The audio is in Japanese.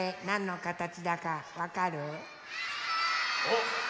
おっ！